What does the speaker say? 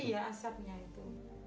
iya asapnya itu